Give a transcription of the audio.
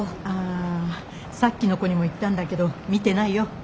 ああさっきの子にも言ったんだけど見てないよ。